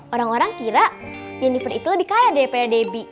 orang orang kira jennifer itu lebih kaya daripada debi